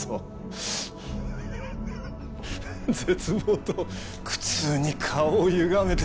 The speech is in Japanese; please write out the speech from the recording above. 絶望と苦痛に顔をゆがめて。